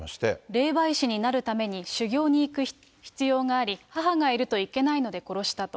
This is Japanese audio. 霊媒師になるために修行に行く必要があり、母がいるといけないので殺したと。